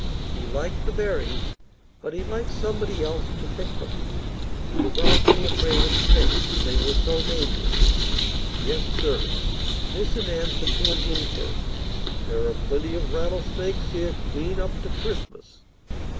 He liked the berries, but he liked somebody else to pick them. He was awfully afraid of snakes; they were so dangerous. "Yes, sir" (this in answer to an inquiry), "there are plenty of rattlesnakes here clean up to Christmas."